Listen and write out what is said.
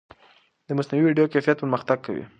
د مصنوعي ویډیو کیفیت پرمختګ کوي.